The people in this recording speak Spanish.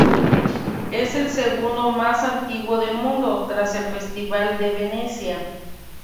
Es el segundo más antiguo del mundo, tras el Festival de Venecia.